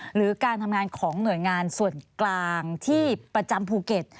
หรือการทำงานของหน่วยงานส่วนกลางที่ประจำภูเก็ต